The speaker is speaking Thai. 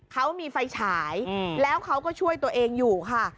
เขามีไฟฉายแล้วเขาก็ช่วยตัวเองอยู่ค่ะ